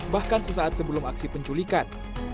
bahkan sesaat sebelum aksi penculikan